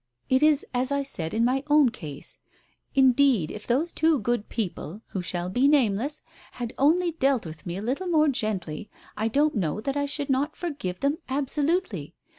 It is as I said in my own case. Indeed if those two good people, who shall be nameless, had only dealt with me a little more gently, I don't know that I should not forgive them absolutely.